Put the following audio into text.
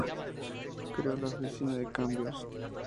Creo la oficina de cambios.